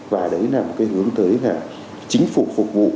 và đấy là một cái hướng tới là chính phủ phục vụ